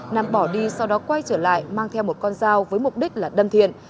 nam bỏ đi sau đó quay trở lại mang theo một con dao với mục đích là đâm thiện